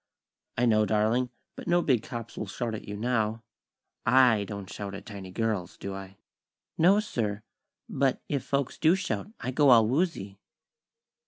"I know, darling; but no big cops will shout at you now. I don't shout at tiny girls, do I?" "No, sir; but if folks do shout, I go all woozy."